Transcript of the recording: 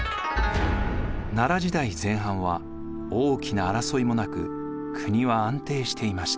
奈良時代前半は大きな争いもなく国は安定していました。